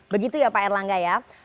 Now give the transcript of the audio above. begitu ya pak erlangga ya